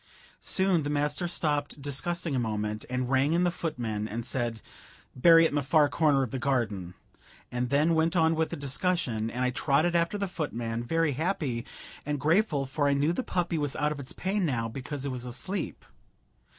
Soon the master stopped discussing a moment, and rang in the footman, and said, "Bury it in the far corner of the garden," and then went on with the discussion, and I trotted after the footman, very happy and grateful, for I knew the puppy was out of its pain now, because it was asleep.